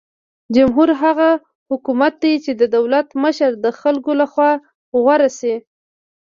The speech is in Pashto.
جمهور هغه حکومت دی چې د دولت مشره د خلکو لخوا غوره شي.